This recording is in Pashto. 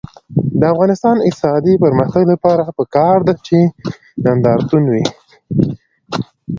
د افغانستان د اقتصادي پرمختګ لپاره پکار ده چې نندارتون وي.